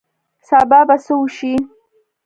سبا به څه وشي